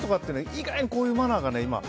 意外にこういうマナーが。